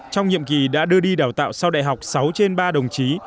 trong nhiệm kỳ đã đưa đi đào tạo sau đại học sáu trên ba đồng chí